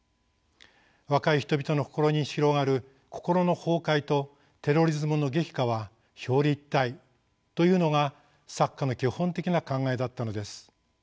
若い人々の心に広がる心の崩壊とテロリズムの激化は表裏一体というのが作家の基本的な考えだったのです。